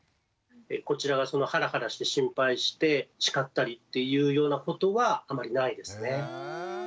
こちらがハラハラして心配して叱ったりっていうようなことはあまりないですね。